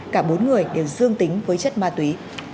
cả bốn người đều dương tính với chất ma túy